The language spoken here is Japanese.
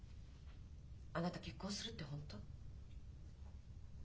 あなた結婚するって本当？